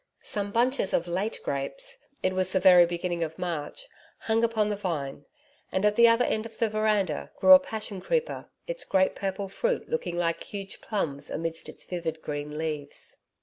Some bunches of late grapes it was the very beginning of March hung upon the vine, and, at the other end of the veranda, grew a passion creeper, its great purple fruit looking like huge plums amidst its vivid green leaves.